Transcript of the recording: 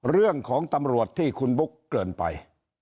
เรื่องของตำรวจที่คุณบุ๊กเกินไป